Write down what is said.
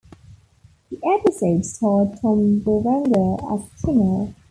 The episode starred Tom Berenger as Kinnell.